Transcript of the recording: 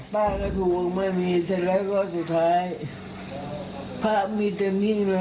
ป้าก็ถูกไม่มีเสร็จแล้วก็สุดท้ายป้ามีเต็มทิ้งเลย